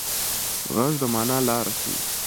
غږ د مانا لاره ښيي.